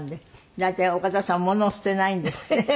大体岡田さんものを捨てないんですって？